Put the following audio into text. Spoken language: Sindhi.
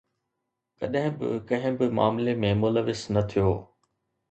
ڪڏهن به ڪنهن به معاملي ۾ ملوث نه ٿيو.